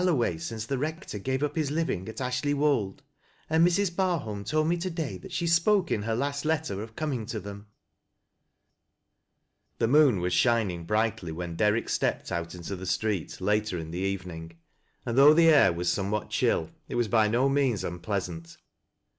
IFFIGULT CASE. 9 way since the liector gaye up hie living at Ashley wol Je, and Mrs. Barholm told me to day that she spoke in her last letter of coming to them." The moon was shining brightly when DeiTick steppea out into the street later in the evening, and though tho ail was somewhat chill it was by no means unpleasant.